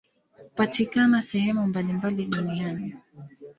Hupatikana sehemu mbalimbali duniani.